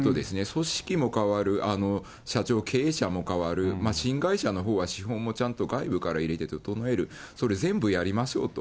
組織も変わる、社長、経営者も変わる、新会社のほうは資本もちゃんと外部から入れて整える、それ、全部やりましょうと。